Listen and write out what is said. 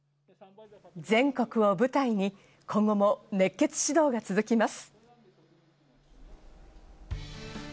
全国を舞台に今後も熱血指導が続きます。